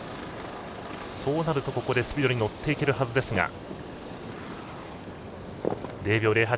そうなるとスピードに乗っていけるはずですが。